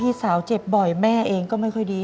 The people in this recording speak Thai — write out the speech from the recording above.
พี่สาวเจ็บบ่อยแม่เองก็ไม่ค่อยดี